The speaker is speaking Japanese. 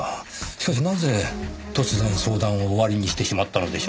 しかしなぜ突然相談を終わりにしてしまったのでしょうねぇ？